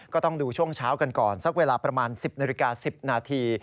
ก็ต้องดูช่วงเช้ากันก่อนสักเวลาประมาณ๑๐นาฬิกา๑๐นาที